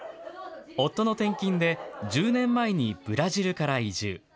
夫の転勤で１０年前にブラジルから移住。